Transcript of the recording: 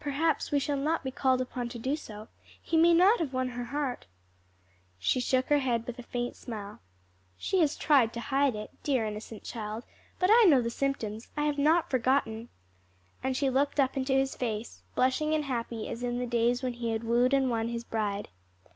"Perhaps we shall not be called upon to do so; he may not have won her heart." She shook her head with a faint smile. "She has tried to hide it dear innocent child! but I know the symptoms; I have not forgotten." And she looked up into his face, blushing and happy as in the days when he had wooed and won his bride.